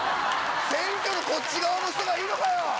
「選挙のこっち側の人」がいいのかよ！